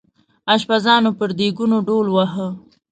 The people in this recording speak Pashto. اشپزانو پر دیګونو ډول واهه.